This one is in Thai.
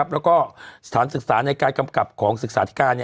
แล้วก็สถานศึกษาในการกำกับของศึกษาธิการ